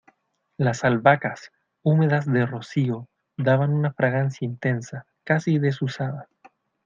las albahacas, húmedas de rocío , daban una fragancia intensa , casi desusada ,